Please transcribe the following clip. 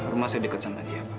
rumah saya dekat sama dia